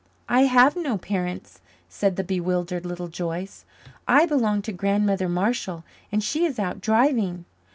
"I have no parents," said the bewildered Little Joyce. "I belong to Grandmother Marshall, and she is out driving."